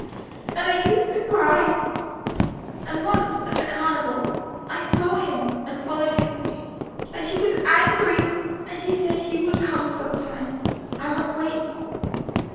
And I used to cry, and once at the Carnival I saw him and followed him, and he was angry, and said he would come some time, I must wait.